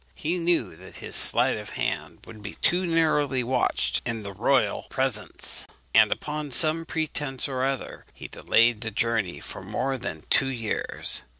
He knew that his sleight of hand would be too narrowly watched in the royal presence; and upon some pretence or other he delayed the journey for more than two years.